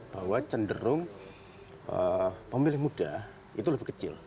bahwa cenderung pemilih muda itu lebih kecil